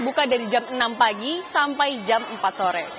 buka dari jam enam pagi sampai jam empat sore